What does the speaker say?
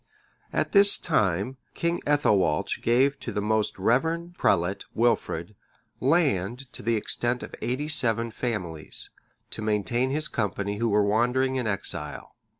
At this time, King Ethelwalch gave to the most reverend prelate, Wilfrid, land to the extent of eighty seven families, to maintain his company who were wandering in exile.